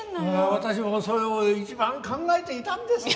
私もそれを一番考えていたんですよ。